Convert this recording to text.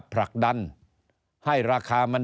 ผลักดันให้ราคามัน